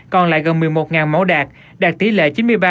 còn lại gần một mươi một mẫu đạt đạt tỷ lệ chín mươi ba bốn mươi ba